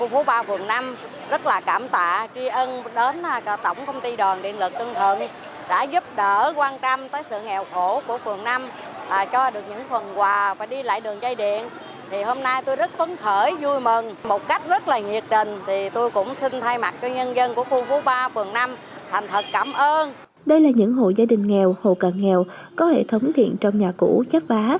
phát huy vai trò xung kích tình nguyện của đoàn tổng công ty điện lực và cảnh sát phòng cháy tp hcm